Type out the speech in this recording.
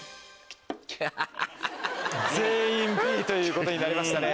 全員Ｂということになりましたね。